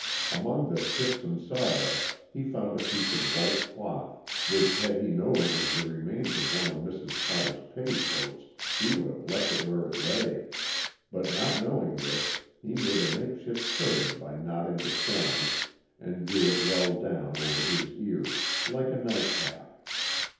Among the chips and sawdust he found a piece of white cloth which, had he known it was the remains of one of Mrs. Potter's petticoats, he would have left where it lay, but not knowing this he made a makeshift turban by knotting the corners, and drew it well down over his ears, like a nightcap.